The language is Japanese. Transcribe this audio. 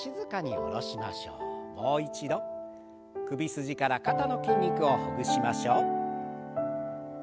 首筋から肩の筋肉をほぐしましょう。